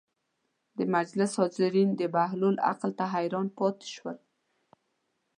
د مجلس حاضرین د بهلول عقل ته حیران پاتې شول.